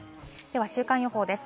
週間予報です。